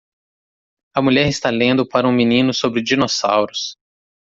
A mulher está lendo para um menino sobre dinossauros.